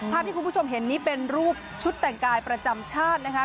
ภาพที่คุณผู้ชมเห็นนี้เป็นรูปชุดแต่งกายประจำชาตินะคะ